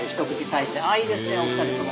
いいですねお二人とも。